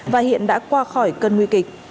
và hiện đã qua khỏi cơn nguy kịch